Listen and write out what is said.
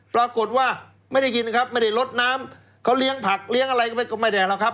ปรากฏว่าไม่ได้ยินครับไม่ได้ลดน้ำเขาเลี้ยงผักเลี้ยงอะไรก็ไม่ได้หรอกครับ